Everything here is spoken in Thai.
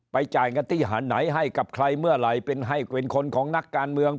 จ่ายงติหารไหนให้กับใครเมื่อไหร่เป็นให้เป็นคนของนักการเมือง